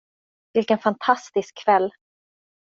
Vilken fantastisk kväll.